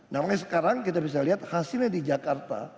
namanya sekarang kita bisa lihat hasilnya di jakarta